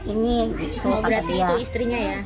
ini berarti itu istrinya ya